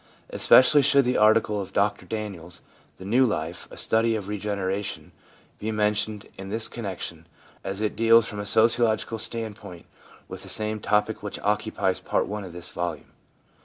Especially should the article of Dr Daniels, 1 The New Life: A Study of Regeneration, be mentioned in this connection, as it deals from a sociological standpoint with the same topic which occupies Part I. of this volume.